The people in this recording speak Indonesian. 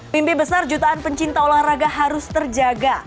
mimpi besar jutaan pencinta olahraga harus terjaga